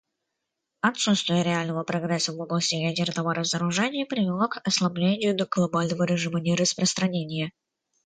Отсутствие реального прогресса в области ядерного разоружения привело к ослаблению глобального режима нераспространения.